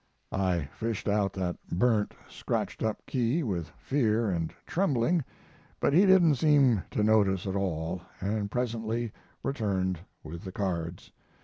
"I fished out that burnt, scratched up key with fear and trembling. But he didn't seem to notice it at all, and presently returned with the cards.